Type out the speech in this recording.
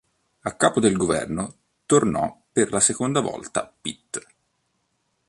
A capo del governo tornò per la seconda volta Pitt.